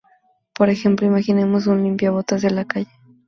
Por ejemplo, imaginemos un limpiabotas de la calle.